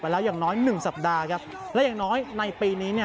แล้วอย่างน้อย๑สัปดาห์ครับและอย่างน้อยในปีนี้